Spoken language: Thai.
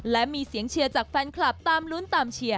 และมีเสียงเชียร์จากแฟนคลับตามลุ้นตามเชียร์